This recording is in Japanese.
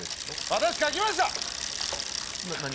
私書きました！